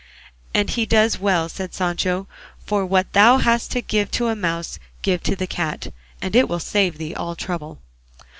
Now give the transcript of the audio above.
"And he does well," said Sancho, "for what thou hast to give to the mouse, give to the cat, and it will save thee all trouble."